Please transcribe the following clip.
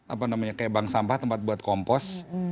apa namanya kayak bank sampah tempat buat kompos